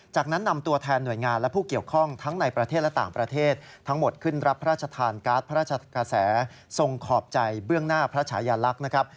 จากนั้นนำตัวแทนหน่วยงานและผู้เกี่ยวข้องทั้งในประเทศและต่างประเทศทั้งหมดขึ้นรับพระราชทานการ์ดพระราชกระแสทรงขอบใจเบื้องหน้าพระชายาลักษณ์นะครับ